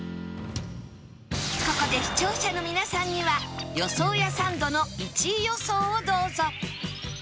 ここで視聴者の皆さんには予想屋サンドの１位予想をどうぞ